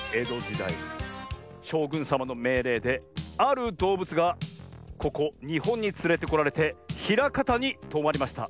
だいしょうぐんさまのめいれいであるどうぶつがここにほんにつれてこられてひらかたにとまりました。